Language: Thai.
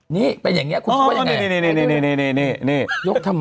นี่เป็นอย่างนี้คุณคิดว่ายังไง